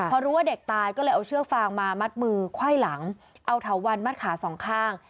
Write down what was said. พอรู้ว่าเด็กตายก็เลยเอาเชือกฟางมามัดมือไขว้หลังเอาเถาวันมัดขาสองข้าง